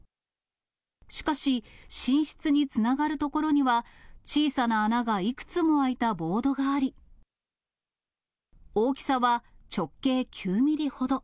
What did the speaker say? しかし、寝室につながる所には、小さな穴がいくつも開いたボードがあり、大きさは直径９ミリほど。